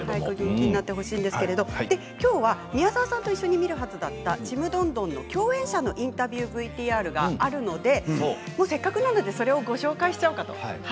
きょうは宮沢さんと一緒に見るはずだった「ちむどんどん」の共演者のインタビューＶＴＲがあるのでせっかくなのでご紹介しちゃおうかと。